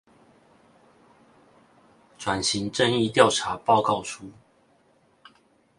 轉型正義調查報告書